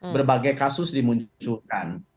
berbagai kasus dimunculkan